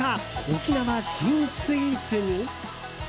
沖縄新スイーツに。